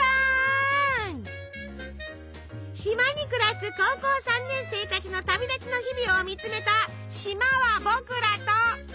島に暮らす高校３年生たちの旅立ちの日々を見つめた「島はぼくらと」。